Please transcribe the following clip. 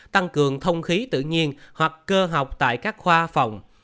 tăng cường thông khí tự nhiên hoặc cơ học tại các khoa phòng